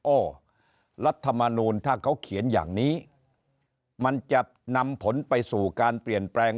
รัฐมนูลถ้าเขาเขียนอย่างนี้มันจะนำผลไปสู่การเปลี่ยนแปลง